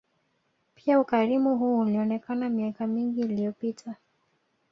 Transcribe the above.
Pia ukarimu huu ulionekana miaka mingi iliyopita